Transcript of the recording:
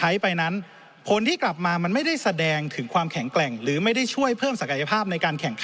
อย่างอื่น